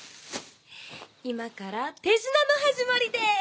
今から手品の始まりです！